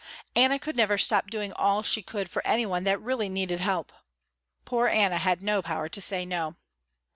Anna could never stop doing all she could for any one that really needed help. Poor Anna had no power to say no.